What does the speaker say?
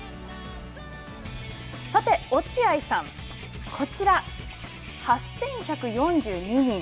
さて、落合さん、こちら、８１４２人。